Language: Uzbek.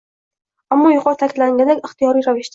Ammo, yuqorida aytilganidek, ixtiyoriy ravishda